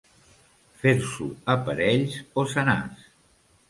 Fer-s'ho a parells o senars.